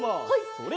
それ！